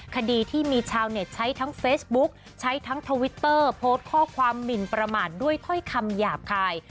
คดีที่มีชาวเน็ตใช้ทั้งเฟซบุ๊กใช้ทั้งทวิตเตอร์โพสต์ข้อความหมินประมาทด้วยถ้อยคำหยาบคาย